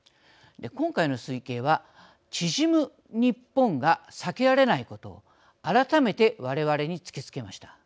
今回の推計は縮むニッポンが避けられないことを改めて我々に突きつけました。